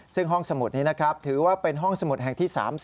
ซึ่งห้องสมุดนี้นะครับถือว่าเป็นห้องสมุดแห่งที่๓๐